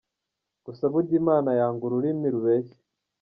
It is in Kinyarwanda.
Gusa burya Imana yanga ururimi rubeshya.